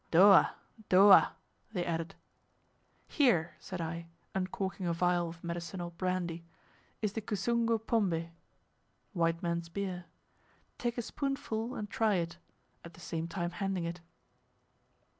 "Dowa, dowa," they added. "Here," said I, uncorking a vial of medicinal brandy, "is the Kisungu pombe" (white man's beer); "take a spoonful and try it," at the same time handing it.